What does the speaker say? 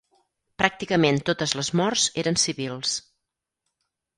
Pràcticament totes les morts eren civils.